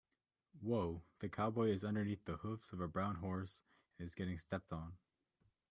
Whoa ! The cowboy is underneath the hoofs of the brown horse and is getting stepped on.